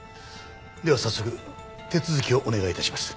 では早速手続きをお願い致します。